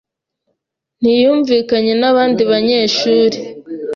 ntiyumvikanye nabandi banyeshuri.